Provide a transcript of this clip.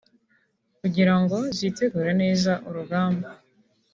kugirango zitegure neza urugamba